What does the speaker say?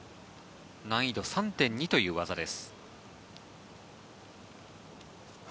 難易度３．２という技です。